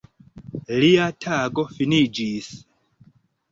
Lia tago finiĝis.